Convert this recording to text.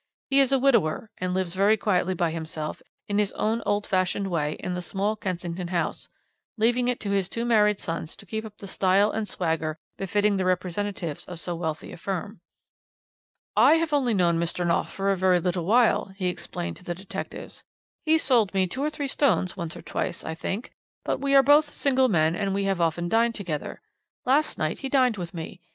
He is a widower, and lives very quietly by himself in his own old fashioned way in the small Kensington house, leaving it to his two married sons to keep up the style and swagger befitting the representatives of so wealthy a firm. "'I have only known Mr. Knopf a very little while,' he explained to the detectives. 'He sold me two or three stones once or twice, I think; but we are both single men, and we have often dined together. Last night he dined with me.